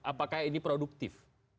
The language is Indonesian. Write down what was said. apakah ini produktif